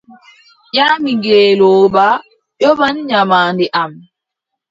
Ƴami ngeelooba: yoɓan nyamaande am.